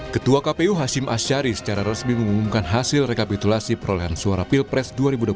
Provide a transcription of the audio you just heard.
ketua kpu hashim ashari secara resmi mengumumkan hasil rekapitulasi perolehan suara pilpres dua ribu dua puluh empat